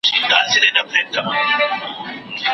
د درنې مرګ ژوبلي رپوټونه ورکوي.